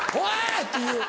っていう。